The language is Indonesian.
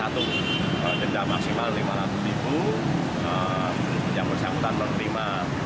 tindak maksimal lima ratus ribu yang bersangkutan menerima